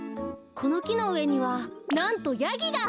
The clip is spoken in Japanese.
このきのうえにはなんとヤギが！